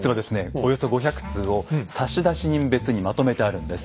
およそ５００通を差出人別にまとめてあるんです。